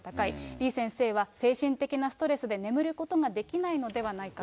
李先生は、精神的なストレスで、眠ることができないのではないかと。